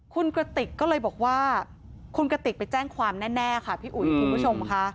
คุณกระติกก็เลยบอกว่าคุณกติกไปแจ้งความแน่ค่ะพี่อุ๋ยคุณผู้ชมค่ะ